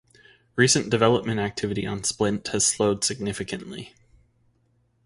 Recent development activity on Splint has slowed significantly.